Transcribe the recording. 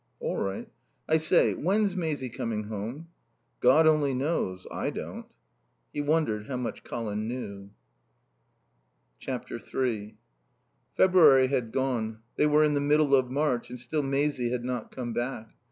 "All right. I say, when's Maisie coming home?" "God only knows. I don't." He wondered how much Colin knew. iii February had gone. They were in the middle of March, and still Maisie had not come back.